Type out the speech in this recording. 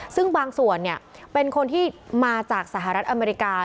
ซึ่งบางส่วนเป็นคนที่มาจากสหรัฐอเมริกา